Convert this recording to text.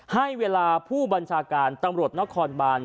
ให้เวลาผู้บัญชาการตำรวจนครบาน